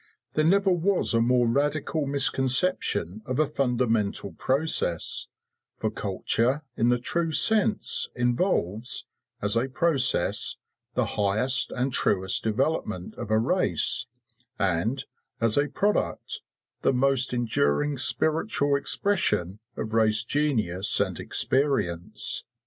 There never was a more radical misconception of a fundamental process, for culture in the true sense involves, as a process, the highest and truest development of a race, and, as a product, the most enduring spiritual expression of race genius and experience.